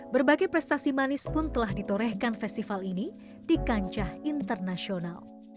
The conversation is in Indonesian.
berbagai prestasi manis pun telah ditorehkan festival ini di kancah internasional